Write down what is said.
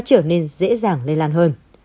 trở nên dễ dàng lây lan hơn